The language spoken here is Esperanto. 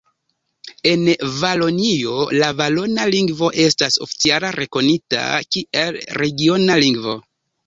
En Valonio la valona lingvo estas oficiala rekonita kiel regiona lingvo.